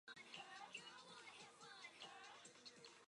The E and B are blue notes.